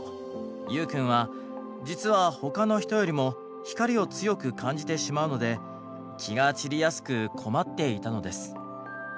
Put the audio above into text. ユウくんは実は他の人よりも光を強く感じてしまうので気が散りやすく困っていたのです。